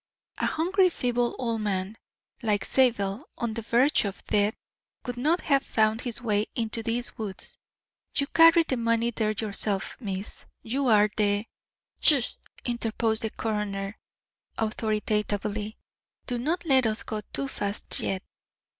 "A hungry, feeble old man, like Zabel, on the verge of death, could not have found his way into these woods. You carried the money there yourself, miss; you are the " "Hush!" interposed the coroner, authoritatively; "do not let us go too fast yet.